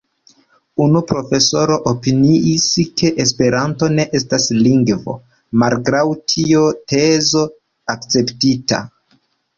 Unu profesoro opiniis, ke Esperanto ne estas lingvo, malgraŭ tio tezo akceptita.